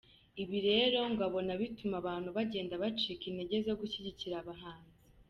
Ibi rero ngo abona bituma abantu bagenda bacika intege zo gushyigikira abahanzi.